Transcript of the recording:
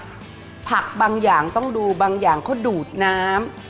สายบัวเขาออกมาเองเพราะฉะนั้นผักผักบางอย่างต้องดูบางอย่างเขาดูดน้ำ